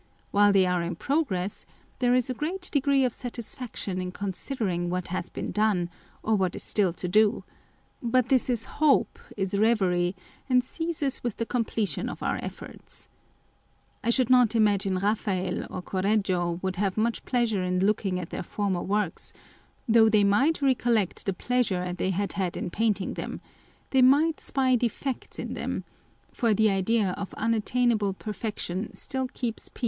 While they are in progress, there is a great degree of satis faction in considering what has been done, or what is still to do â€" but this is hope, is reverie, and ceases with the completion of our efforts. I should not imagine Eaphael or Correggio would have much pleasure in looking at their former works, though they might recollect the pleasure they had had in painting them ; they might spy defects in them (for the ideat)f unattainable perfection still keeps 174 Genius and its Powers.